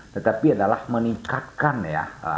tetapi adalah meningkatkan ya